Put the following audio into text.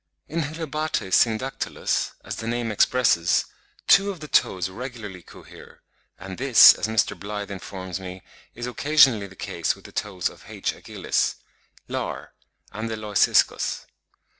In Hylobates syndactylus, as the name expresses, two of the toes regularly cohere; and this, as Mr. Blyth informs me, is occasionally the case with the toes of H. agilis, lar, and leuciscus.